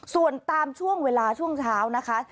ส่วนตามช่วงเวลาช่วงเช้านะคะ